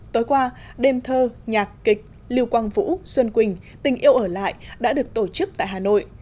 tối qua đêm thơ nhạc kịch lưu quang vũ xuân quỳnh tình yêu ở lại đã được tổ chức tại hà nội